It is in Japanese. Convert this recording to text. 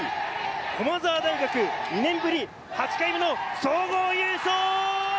駒澤大学、２年ぶり８回目の総合優勝。